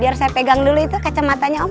biar saya pegang dulu itu kacamatanya